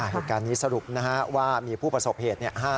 เหตุการณ์นี้สรุปว่ามีผู้ประสบเหตุ